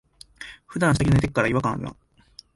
ふだん下着で寝てっから、違和感あるな。